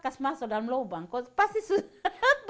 kasih masuk dalam lubang pasti sudah